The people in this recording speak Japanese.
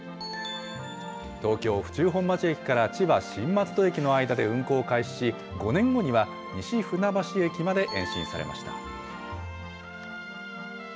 東京・府中本町駅から千葉・新松戸駅の間で運行を開始し、５年後には西船橋駅まで延伸されました。